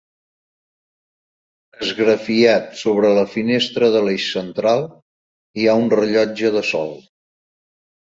Esgrafiat sobre la finestra de l'eix central hi ha un rellotge de sol.